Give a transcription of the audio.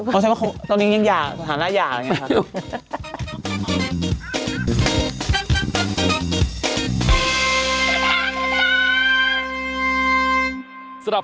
ตอนนี้ยังสามารถหาหน้าหย่าอะไรอย่างนี้ครับ